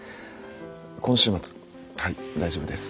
今週末はい大丈夫です。